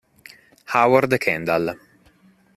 Howard Kendall